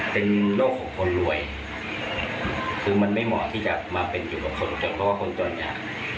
เป็นโรคของคนรวยคือมันไม่เหมาะที่จะมาเป็นอยู่กับคนจำกับคนต่อหน้า